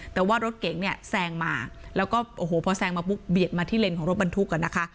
แต่ว่ารถเก๋งเนี่ยแซงมาแล้วก็โอ้โหพอแซงมาปุ๊บเบียดมาที่เลนของรถบรรทุกอ่ะนะคะ